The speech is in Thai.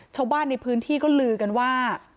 ชาวบ้านในพื้นที่ก็ลือกันว่า